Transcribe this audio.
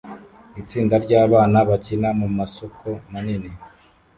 Itsinda ryabana bakina mumasoko manini